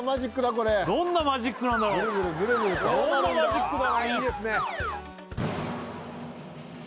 これどんなマジックなんだろうああいいですね